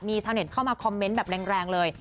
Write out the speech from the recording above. ชาวเน็ตเข้ามาคอมเมนต์แบบแรงเลย